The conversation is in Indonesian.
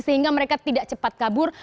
sehingga mereka tidak cepat kabur